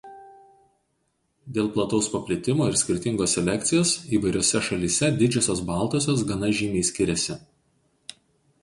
Dėl plataus paplitimo ir skirtingos selekcijos įvairiose šalyse didžiosios baltosios gana žymiai skiriasi.